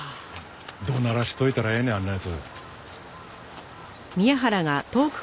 怒鳴らしといたらええねんあんな奴。